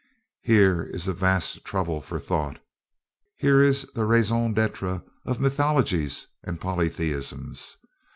Here is a vast trouble for thought. Here is the raison d'être of mythologies and polytheisms.